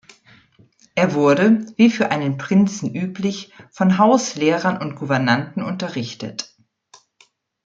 Er wurde, wie für einen Prinzen üblich, von Hauslehrern und Gouvernanten unterrichtet.